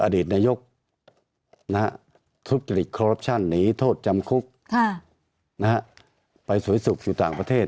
อดีตนายกนะฮะทุกษ์ศึกษ์หนีโทษจำคุกค่ะนะฮะไปสวยสุขอยู่ต่างประเทศ